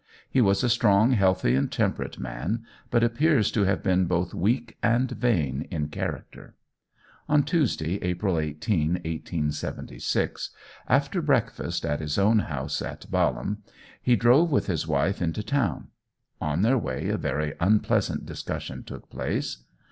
He was a strong, healthy, and temperate man, but appears to have been both weak and vain in character. On Tuesday, April 18, 1876, after breakfast at his own house at Balham, he drove with his wife into town. On their way, a very unpleasant discussion took place.